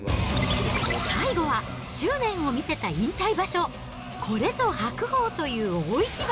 最後は、執念を見せた引退場所、これぞ白鵬という大一番。